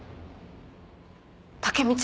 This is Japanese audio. タケミチ